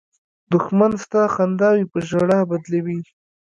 دښمن ستا خنداوې په ژړا بدلوي